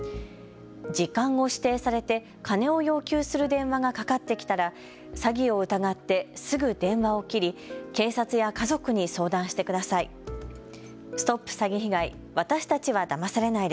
時間を指定されて金を要求する電話がかかってきたら詐欺を疑ってすぐ電話を切り警察や家族に相談してください。